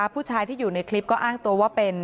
ผู้ชายที่อยู่ในคลิปก็อ้างตัวว่าเป็น